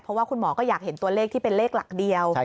เพราะว่าคุณหมอก็อยากเห็นตัวเลขที่เป็นเลขหลักเดียว